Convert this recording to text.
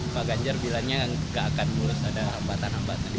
pak ganjar bilangnya nggak akan mulus ada hambatan hambatan